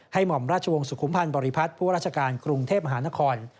หม่อมราชวงศุมพันธ์บริพัฒน์ผู้ราชการกรุงเทพมหานคร